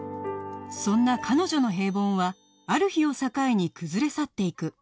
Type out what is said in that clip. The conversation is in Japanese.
そんな彼女の平凡はある日を境に崩れ去っていく